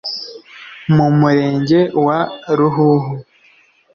mu Murenge wa Ruhuhu